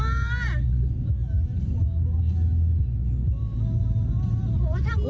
อย่าแซงลงไป